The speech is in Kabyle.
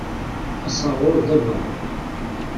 Asaɣur d abaɣur.